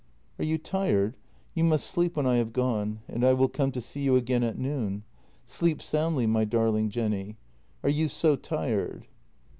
" Are you tired? You must sleep when I have gone, and I will come to see you again at noon. Sleep soundly, my darling Jenny. Are you so tired?